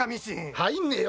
入んねえよ